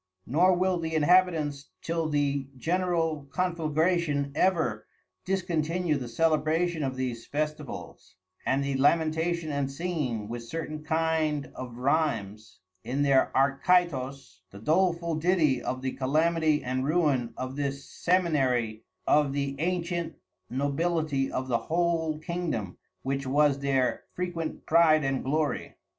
Nor will the Inhabitants till the General conflagration ever discontinue the Celebration of these Festivals, and the Lamentation and Singing with certain kind of Rhythmes in their Arcytos, the doleful ditty of the Calamity and Ruin of this Seminary of the antient Nobility of the whole Kingdom, which was their frequent Pride and Glory.